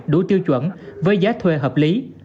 đủ tiêu chuẩn với giá thuê hợp lý